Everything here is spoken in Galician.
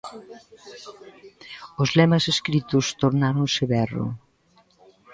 Os lemas escritos tornáronse berro.